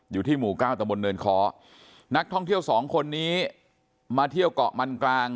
อยู่ที่หมู่เก้าตะบนเนินคอนักท่องเที่ยวสองคนนี้มาเที่ยวเกาะมันกลาง